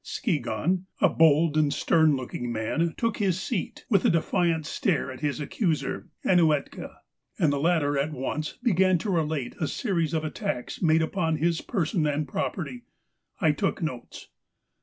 Skigahn — a bold and stern looking man, took his seat, with a defiant stare at his accuser, Ainuetka, and the latter at once began to relate a series of attacks made upon his person and property. I took notes.